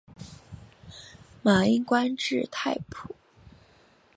马英官至太仆。